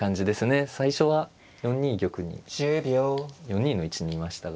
最初は４二玉に４二の位置にいましたが。